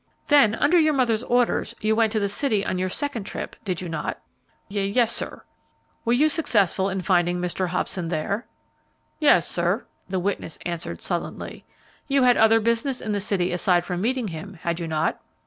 "Then, under your mother's orders, you went to the city on your second trip, did you not?" "Y yes, sir." "Were you successful in finding Mr. Hobson there?" "Yes, sir," the witness answered sullenly. "You had other business in the city aside from meeting him, had you not?"